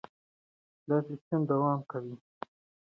دا سیستم دوام کوي.